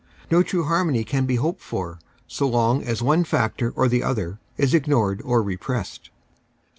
No true harmony can be hoped for so long as one factor or the other is ignored or repressed.